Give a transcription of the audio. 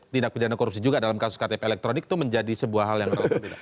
tindak pidana korupsi juga dalam kasus ktp elektronik itu menjadi sebuah hal yang relatif